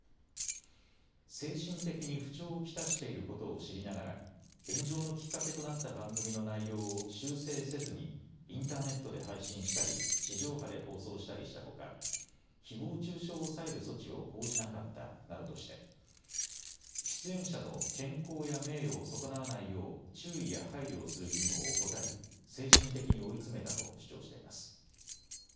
精神的に不調を来たしていることを知りながら炎上のきっかけとなった番組の内容を修正せずにインターネットで配信したり地上波で放送したりしたほかひぼう中傷を抑える措置を講じなかったなどとして出演者の健康や名誉を損なわないよう注意や配慮をする義務を怠り精神的に追い詰めたと主張しています。